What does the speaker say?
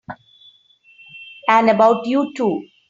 And about you too!